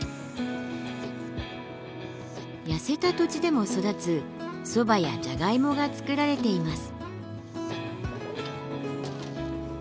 痩せた土地でも育つソバやジャガイモが作られています。